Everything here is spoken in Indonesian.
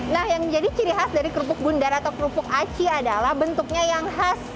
nah yang jadi ciri khas dari kerupuk bundar atau kerupuk aci adalah bentuknya yang khas